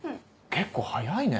結構早いね！